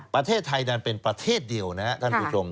ประเทศไทยนั้นเป็นประเทศเดียวนะครับท่านผู้ชม